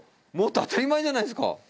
当たり前じゃないですか！